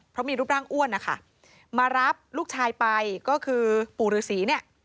เพราะมีรูปร่างอ้วนนะคะมารับลูกชายไปก็คือปู่ฤษีเนี่ย